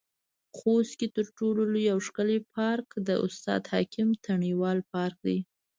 خوست کې تر ټولو لوى او ښکلى پارک د استاد حکيم تڼيوال پارک دى.